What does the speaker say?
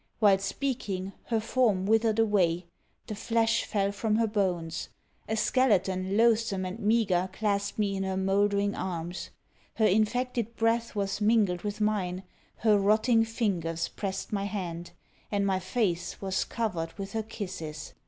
While speaking, her form withered away; the flesh fell from her bones; a skeleton loathsome and meagre clasped me in her mouldering arms. Her infected breath was mingled with mine; her rotting fingers pressed my hand; and my face was covered with her kisses.